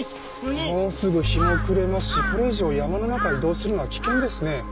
もうすぐ日も暮れますしこれ以上山の中移動するのは危険ですね。